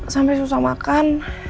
sampai susah makan